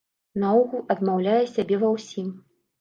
Наогул адмаўляю сябе ва ўсім.